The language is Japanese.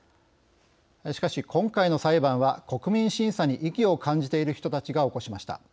しかし、今回の裁判は国民審査に意義を感じている人たちが起こしました。